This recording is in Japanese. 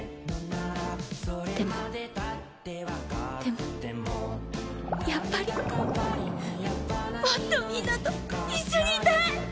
でもでもやっぱりもっとみんなと一緒にいたい！